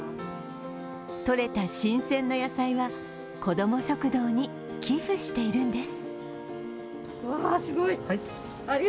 とれた新鮮な野菜は、子ども食堂に寄付しているんです。